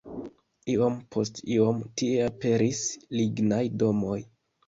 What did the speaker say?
Iom post iom tie aperis lignaj domoj.